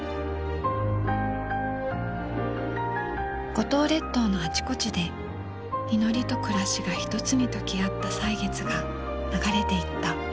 五島列島のあちこちで祈りと暮らしが一つに溶け合った歳月が流れていった。